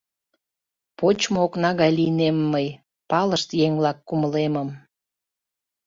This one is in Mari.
Почмо окна гай лийнем мый Палышт еҥ-влак кумылемым.